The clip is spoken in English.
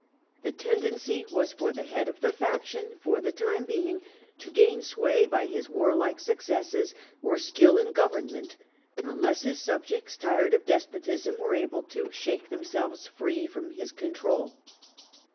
The tendency was for the head of the faction for the time being to gain sway by his warlike successes or skill in government, unless his subjects, tired of despotism, were able to shake them selves free from his control.